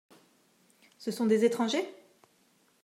Ce sont des étrangers ?